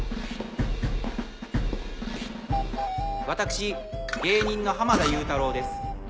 私芸人の濱田祐太郎です。